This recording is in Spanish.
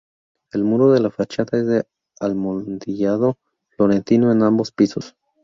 El muro de la fachada es de almohadillado florentino en ambos pisos.